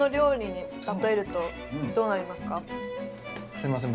すいません